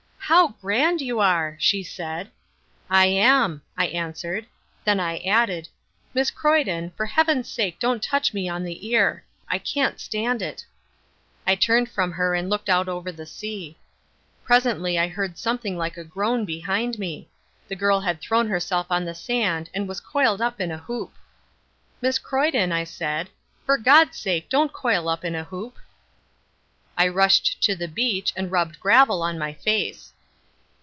"How grand you are!" she said. "I am," I answered; then I added, "Miss Croyden, for Heaven's sake don't touch me on the ear. I can't stand it." I turned from her and looked out over the sea. Presently I heard something like a groan behind me. The girl had thrown herself on the sand and was coiled up in a hoop. "Miss Croyden," I said, "for God's sake don't coil up in a hoop." I rushed to the beach and rubbed gravel on my face.